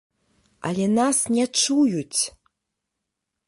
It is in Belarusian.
Але нас не чуюць!